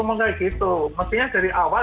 maksudnya dari awal